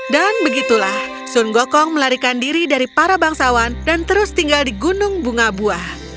dan begitulah sun gokong melarikan diri dari para bangsawan dan terus tinggal di gunung bunga buah